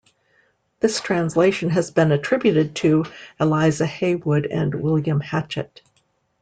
This translation has been attributed to Eliza Haywood and William Hatchett.